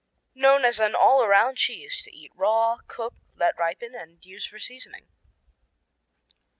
Known as an "all around cheese," to eat raw, cook, let ripen, and use for seasoning.